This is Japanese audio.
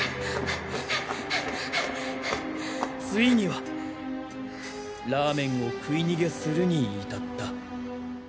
ハァハァハァついにはラーメンを食い逃げするに至った。